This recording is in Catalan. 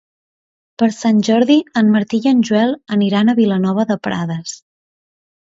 Per Sant Jordi en Martí i en Joel aniran a Vilanova de Prades.